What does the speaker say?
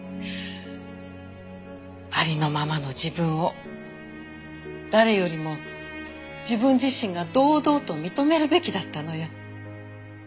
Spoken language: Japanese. ありのままの自分を誰よりも自分自身が堂々と認めるべきだったのよ。